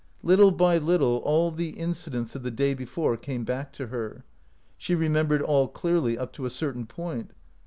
Little by little all the incidents of the day before came back to her ; she re membered all clearly up to a certain point.